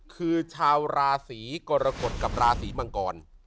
คือชาวราศีกรกฎกับราศีมังกร